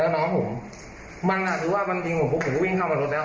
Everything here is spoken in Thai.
แล้วน้องผมมันอาจจะว่าผมก็วิ่งเข้ามารถแล้ว